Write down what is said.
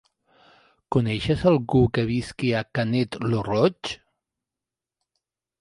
Coneixes algú que visqui a Canet lo Roig?